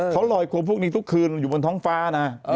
เขาลอยครัวพวกนี้ทุกคืนอยู่บนท้องฟ้านะ